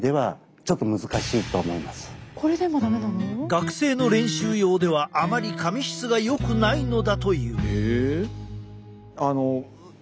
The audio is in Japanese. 学生の練習用ではあまり髪質がよくないのだという。